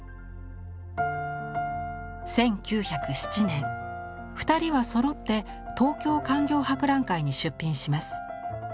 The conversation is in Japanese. １９０７年二人はそろって東京勧業博覧会に出品します。